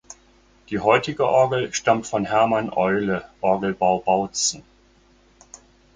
Die heutige Orgel stammt von Hermann Eule Orgelbau Bautzen.